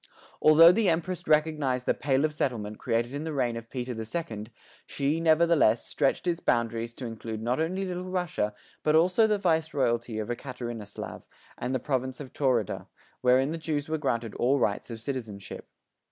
Although the Empress recognized the "Pale of Settlement" created in the reign of Peter the Second, she, nevertheless, stretched its boundaries to include not only Little Russia but also the Vice Royalty of Ekaterinoslav and the province of Taurida, wherein the Jews were granted all rights of citizenship.